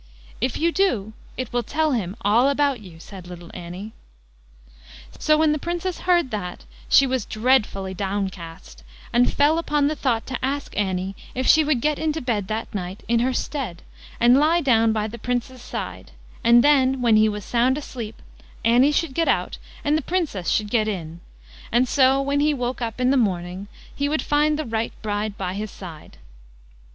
"If you do, it will tell him all about you", said little Annie. So when the Princess heard that she was dreadfully downcast, and she fell upon the thought to ask Annie if she would get into bed that night in her stead and lie down by the Prince's side; and then when he was sound asleep, Annie should get out and the Princess should get in, and so when he woke up in the morning he would find the right bride by his side.